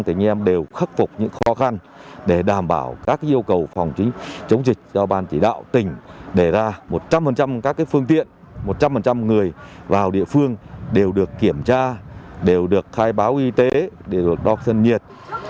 anh em đều khắc phục những khó khăn để đảm bảo các yêu cầu phòng chống dịch do ban chỉ đạo tỉnh để ra một trăm linh các phương tiện một trăm linh người vào địa phương đều được kiểm tra đều được khai báo y tế để được đo thân nhiệt